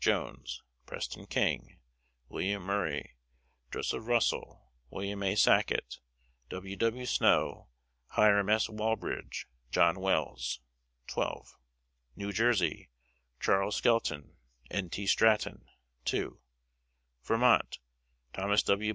Jones, Preston King, William Murray, Joseph Russel, Wm. A. Sacket, W. W. Snow, Hiram S. Wallbridge, John Wells 12. New Jersey: Charles Skelton, N. T. Stratton 2. Vermont: Thomas W.